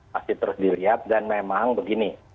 masih terus dilihat dan memang begini